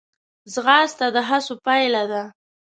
ځغاسته د هڅو پایله ده